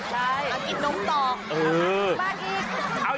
ใช่มากินนมต่อแม็กอีก